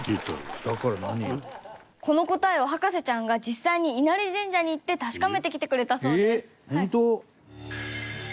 この答えを博士ちゃんが実際に稲荷神社に行って確かめてきてくれたそうです。